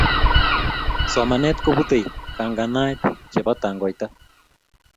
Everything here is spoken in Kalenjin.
somanet koputei kangangaet chepo tangoita